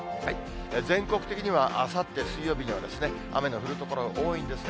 全国的には、あさって水曜日には雨の降る所多いんですね。